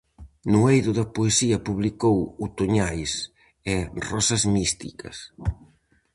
No eido da poesía publicou "Otoñais" e "Rosas místicas".